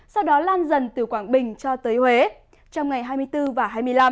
sau đó lan dần từ quảng bình cho tới huế trong ngày hai mươi bốn và hai mươi năm